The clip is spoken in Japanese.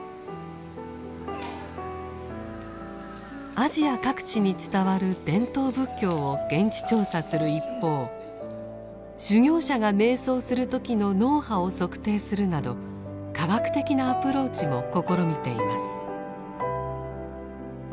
アジア各地に伝わる伝統仏教を現地調査する一方修行者が瞑想する時の脳波を測定するなど科学的なアプローチも試みています。